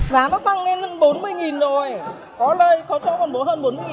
giá nó tăng lên hơn bốn mươi rồi có lời có cho còn bố hơn bốn mươi đây